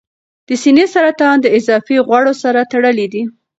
د سینې سرطان د اضافي غوړو سره تړلی دی.